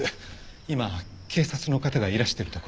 今警察の方がいらしてるところだ。